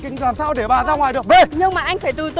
anh có thể gọi bác sĩ